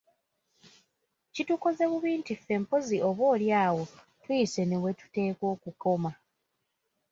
Kitukoze bubi nti ffe mpozzi oba oli awo tuyise newetuteekwa okukoma.